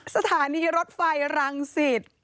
สถานีรถไฟรังสิทธิ์